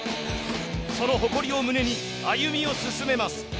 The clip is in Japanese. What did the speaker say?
その誇りを胸に歩みを進めます。